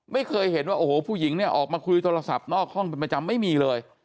ไม่เคยเห็นว่าโอ้โหผู้หญิงเนี่ยออกมาคุยโทรศัพท์นอกห้องเป็นประจำไม่มีเลย